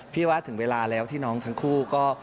ว่าถึงเวลาแล้วที่น้องทั้งคู่ก็